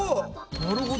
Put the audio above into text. なるほど。